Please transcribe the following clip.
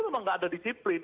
memang tidak ada disiplin